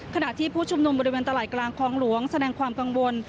ขณะที่ผู้ชุมนุมบริเวณตลาดกลางคลองหลวงแสดงความกังวล